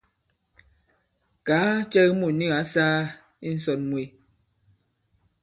Kàa cɛ ki mût nik ǎ sāā i ǹsɔn mwe.